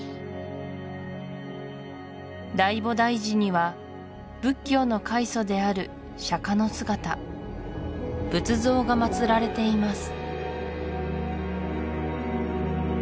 大菩提寺には仏教の開祖である釈迦の姿仏像がまつられています